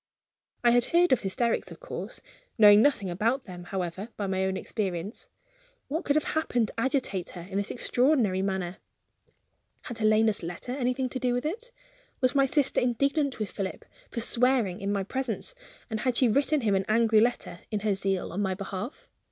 I had heard of hysterics, of course; knowing nothing about them, however, by my own experience. What could have happened to agitate her in this extraordinary manner? Had Helena's letter anything to do with it? Was my sister indignant with Philip for swearing in my presence; and had she written him an angry letter, in her zeal on my behalf?